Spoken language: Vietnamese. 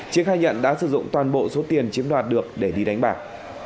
chiến khai nhận đã sử dụng toàn bộ số tiền chiếm đoạt được để đi đánh bạc